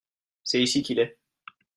C'est ici qu'il est.